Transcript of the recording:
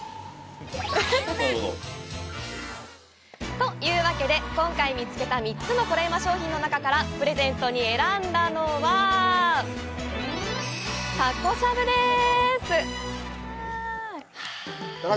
というわけで、今回見つけた３つのコレうま商品の中からプレゼントに選んだのはタコしゃぶです！